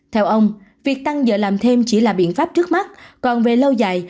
theo ông việc tăng giờ làm thêm chỉ là biện pháp trước mắt còn về lâu dài